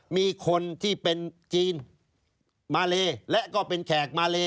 มีคนที่เป็นจีนมาเลและก็เป็นแขกมาเล